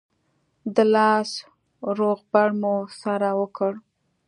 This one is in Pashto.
د لاس روغبړ مو سره وکړ.